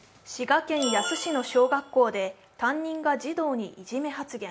滋賀県野洲市の小学校で担任が児童にいじめ発言。